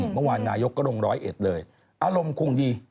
เมื่อวานนายกก็ลงร้อยเอ็ดเลยอารมณ์คงดี